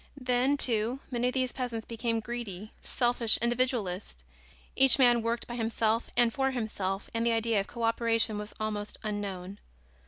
Then, too, many of these peasants became greedy, selfish individualists. Each man worked by himself and for himself and the idea of co operation was almost unknown.